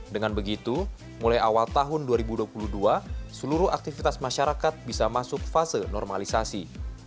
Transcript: dengan begitu mulai awal tahun dua ribu dua puluh dua seluruh aktivitas masyarakat bisa masuk fase normalisasi